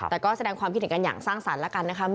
แต่ก็แสดงความคิดเห็นกันอย่างสร้างสรรค์แล้วกันนะคะ